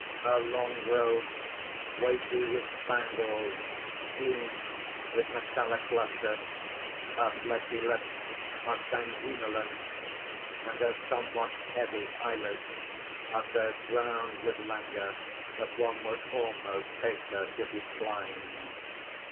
Her long robe, weighty with spangles, gleams with metallic lustre; her fleshy lips are sanguinolent; and her somewhat heavy eyelids are so drowned with languor that one would almost take her to be blind.